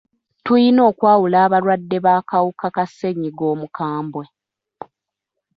Tuyina okwawula abalwadde b'akawuka ka ssenyiga omukambwe.